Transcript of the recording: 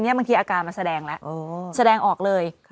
บางทีอาการมันแสดงแล้วแสดงออกเลย